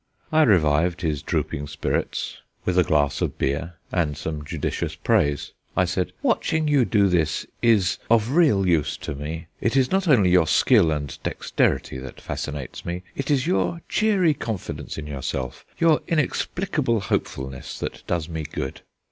I revived his drooping spirits with a glass of beer and some judicious praise. I said: "Watching you do this is of real use to me. It is not only your skill and dexterity that fascinates me, it is your cheery confidence in yourself, your inexplicable hopefulness, that does me good."